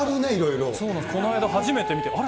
この間、初めて見て、あれ？